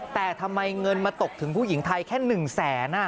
แต่ทำไมเงินมาตกถึงผู้หญิงไทยแค่๑๐๐๐๐๐บาทน่ะ